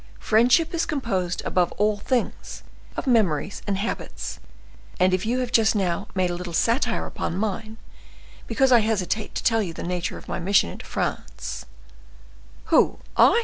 Friendship is composed, above all things, of memories and habits, and if you have just now made a little satire upon mine, because I hesitate to tell you the nature of my mission into France—" "Who! I?